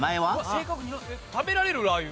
食べられるラー油。